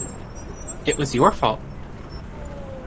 It was your fault.